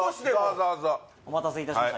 お待たせいたしました。